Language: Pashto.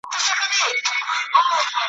ویل ځه مخته دي ښه سلا مُلاجانه `